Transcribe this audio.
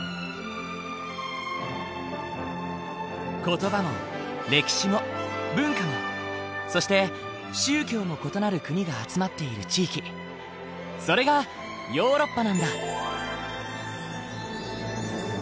言葉も歴史も文化もそして宗教も異なる国が集まっている地域それがヨーロッパなんだ。